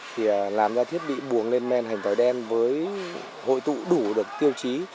thì làm ra thiết bị buồng lên men hành tỏi đen với hội tụ đủ được tiêu chí